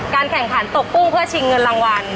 แข่งขันตกกุ้งเพื่อชิงเงินรางวัล